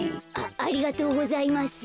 ありがとうございます。